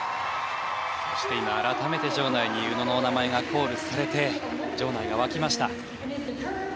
そして今、改めて宇野の名前がコールされて場内が沸きました。